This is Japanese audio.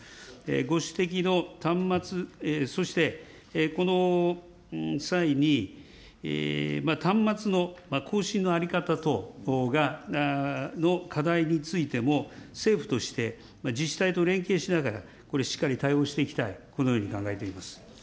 ご指摘の端末、そして、この際に端末の更新の在り方等の課題についても、政府として自治体と連携しながら、これ、しっかり対応していきたい、このように考えています。